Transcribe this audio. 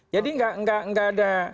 jadi gak ada